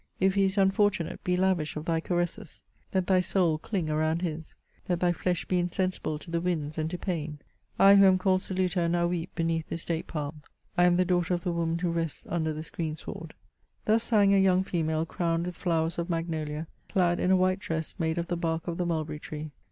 '*'' If he is unfortunate, be lavish of thy caresses, let thy soul cling around his ; let thy flesh be insensible to the winds and to pain.' — I, who am called Celuta, now weep beneath this date palm ; I am the daughter of the woman who rests under this green sward. " Thus sang a young female crowned with flowers of mag nolia, clad in a white dress made of the bark of the mulberry tree.